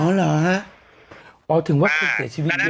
อ๋อเหรอถึงว่าพิเศษชีวิตเยอะ